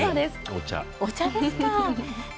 お茶ですね。